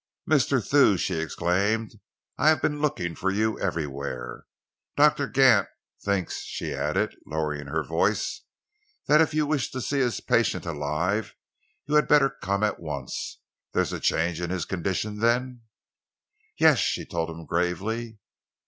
"Mr. Thew," she exclaimed, "I have been looking for you everywhere. Doctor Gant thinks," she added, lowering her voice, "that if you wish to see his patient alive, you had better come at once." "There is a change in his condition, then?" "Yes," she told him gravely.